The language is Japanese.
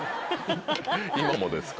今もですか？